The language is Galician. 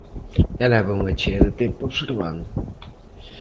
E leva unha chea de tempo observando.